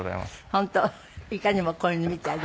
本当いかにも小犬みたいで。